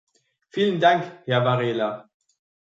Vielen Dank, Herr Varela.